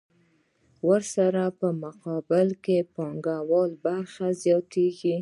ورسره په مقابل کې د پانګوال برخه زیاتېږي